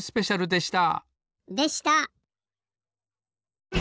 でした！